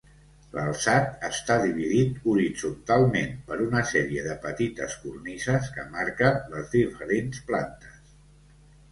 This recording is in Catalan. L'alçat està dividit horitzontalment per una sèrie de petites cornises que marquen les diferents plantes.